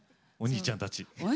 お兄ちゃんたち。